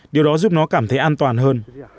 điều đó giúp nó cảm thấy an toàn hơn